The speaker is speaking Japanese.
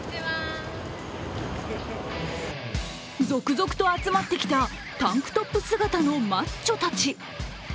続々と集まってきたタンクトップ姿のマッチョたち。